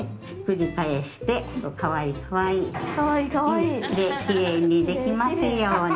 きれいに、きれいにできますように。